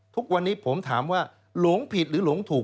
ทุกวันนี้ผมถามว่าหลงผิดหรือหลงถูก